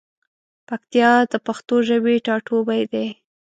پکتیا د پښتو ژبی ټاټوبی دی.